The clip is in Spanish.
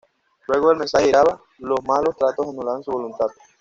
Luego el mensaje giraba: 'Los malos tratos anulan su voluntad.